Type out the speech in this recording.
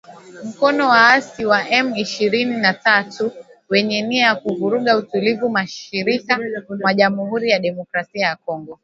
mkono waasi wa M ishirini na tatu wenye nia ya kuvuruga utulivu mashariki mwa Jamuhuri ya Demokrasia ya Kongo